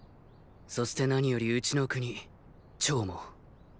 そして何よりうちの国趙も。